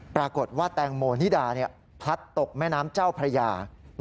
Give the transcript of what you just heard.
ปรากฏว่าแตงโมนิดาพลัดตกแม่น้ำเจ้าพระยา